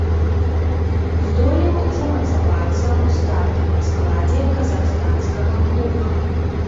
Здолеў замацавацца ў стартавым складзе казахстанскага клуба.